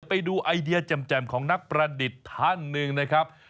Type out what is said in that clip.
ไปดูไอเดียแจ่มของนักประดิษฐ์ท่านหนึ่งนะครับ